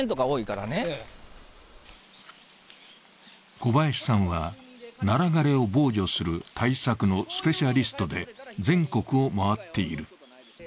小林さんはナラ枯れを防除する対策のスペシャリストで、全国を回っている。